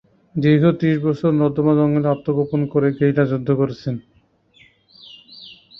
দীর্ঘ ত্রিশ বছর নর্মদা জঙ্গলে আত্মগোপন করে গেরিলা যুদ্ধ করেছেন।